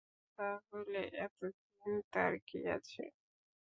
তাহলে এত চিন্তার কি আছে?